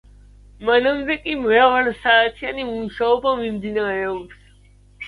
მანამდე კი მრავალსაათიანი მუშაობა მიმდინარეობს.